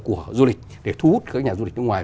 của du lịch để thu hút các nhà du lịch nước ngoài